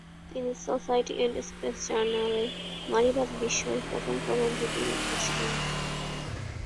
তিনি society and space জার্নালে নারীবাদ বিষয়ে প্রথম প্রবন্ধটি লিখেছিলেন।